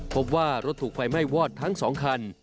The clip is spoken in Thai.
พบว่ารถถูกไฟไหม้วอดทั้ง๒คัน